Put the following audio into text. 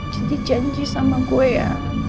jadi janji sama gue ya